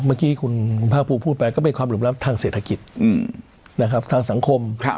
เมื่อกี้คุณภาคภูมิพูดไปก็เป็นความหลุมล้ำทางเศรษฐกิจนะครับทางสังคม